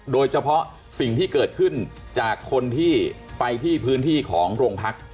โดยเฉพาะสิ่งที่เกิดขึ้นจากคนที่ไปที่พื้นที่ของโรงพัก